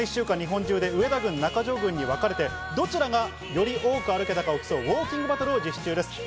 この１週間、日本中で上田軍・中条軍に分かれて、どちらがより多く歩けたかを競うウオーキングバトルを実施中です。